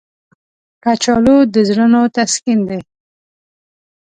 کچالو د زړونو تسکین دی